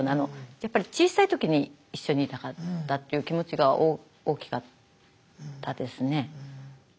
やっぱり小さい時に一緒にいたかったっていう気持ちが大きかったですね。